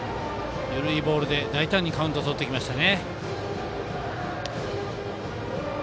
緩いボールで大胆にカウントをとってきました。